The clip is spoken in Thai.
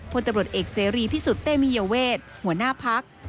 พลตำรวจเอกเสรีพิสุทธิเตมียเวทหัวหน้าพัก